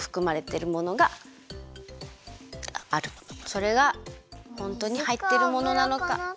それがホントにはいってるものなのか。